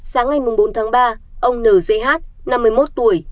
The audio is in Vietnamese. sáng ngày bốn tháng ba ông n j h năm mươi một tuổi